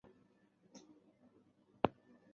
以下为斯洛伐克总统列表。